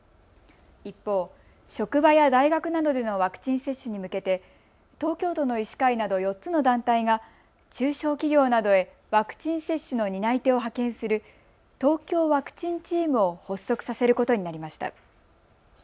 一方、職場や大学などでのワクチン接種に向けて東京都の医師会など４つの団体が中小企業などへワクチン接種の担い手を派遣する東京ワクチンチームを発足させることになりました。